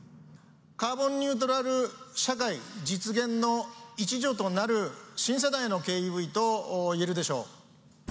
カーボンニュートラル社会の実現の一助となる新世代の軽ＥＶといえるでしょう。